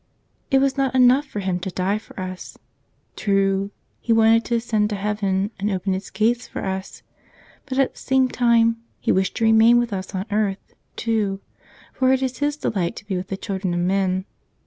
It was not enough for Him to die for us. True, He wanted to ascend to heaven and open its gates for us, but at the same time He wished to remain with us on earth, too; for it is His delight to be with the children of men.